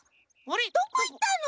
どこいったの？